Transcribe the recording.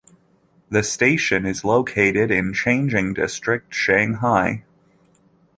The station is located in Changning District, Shanghai.